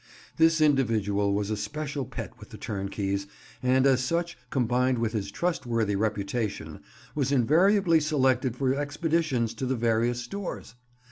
This individual was a special pet with the turnkeys, and as such—combined with his trustworthy reputation—was invariably selected for expeditions to the various stores.